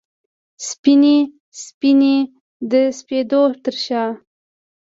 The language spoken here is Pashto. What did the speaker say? سپینې، سپینې د سپېدو ترشا